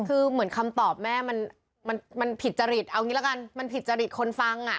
คือเหมือนคำตอบแม่มันผิดจริตเอางี้ละกันมันผิดจริตคนฟังอ่ะ